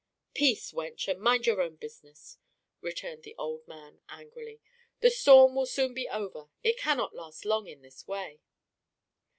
"Peace, wench, and mind your own business!" returned the old man angrily. "The storm will soon be over it cannot last long in this way."